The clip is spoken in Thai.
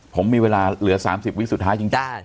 ผมมีเวลาเหลือ๓๐วิสุดท้ายจริง